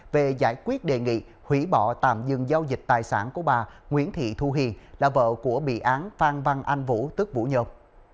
về giải quyết đề nghị hủy bỏ tạm dừng giao dịch tài sản của bà nguyễn thị thu hiền là vợ của bị án phan văn anh vũ tức vũ nhôm